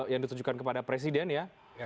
yang ditujukan kepada presiden ya